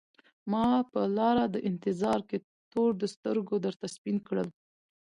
ما په لار د انتظار کي تور د سترګو درته سپین کړل